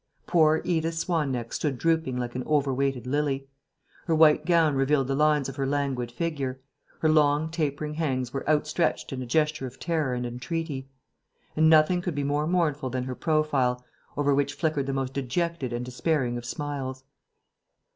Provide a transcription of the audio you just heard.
Poor Edith Swan neck stood drooping like an overweighted lily. Her white gown revealed the lines of her languid figure. Her long, tapering hands were outstretched in a gesture of terror and entreaty. And nothing could be more mournful than her profile, over which flickered the most dejected and despairing of smiles.